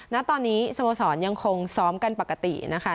ณตอนนี้สโมสรยังคงซ้อมกันปกตินะคะ